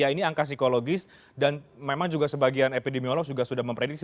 jadi ini angka psikologis dan memang juga sebagian epidemiolog juga sudah memprediksi